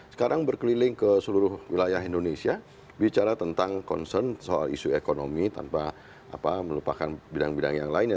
sekarang berkeliling ke seluruh wilayah indonesia bicara tentang concern soal isu ekonomi tanpa melupakan bidang bidang yang lainnya